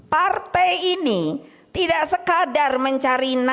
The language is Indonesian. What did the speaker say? partai ini tidak sekadar mencari nama